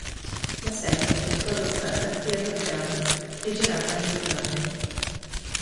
La serie fu prodotta da Theatre Guild e girata a New York.